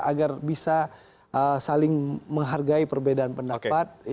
agar bisa saling menghargai perbedaan pendapat